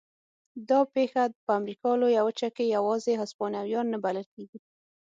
دا پېښه په امریکا لویه وچه کې یوازې هسپانویان نه بلل کېږي.